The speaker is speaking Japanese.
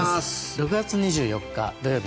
６月２４日土曜日